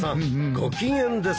ご機嫌ですな。